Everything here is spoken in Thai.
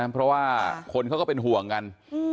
เพราะว่าคนเขาก็เป็นห่วงกัน